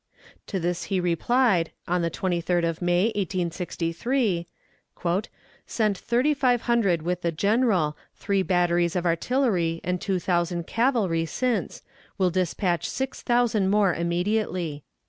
To this he replied on the 23d of May, 1863: "Sent thirty five hundred with the General, three batteries of artillery and two thousand cavalry since; will dispatch six thousand more immediately."